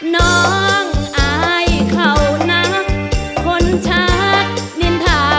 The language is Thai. น้องอายเขานับคนชักนินทรัพย์